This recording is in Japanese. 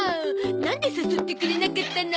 なんで誘ってくれなかったの？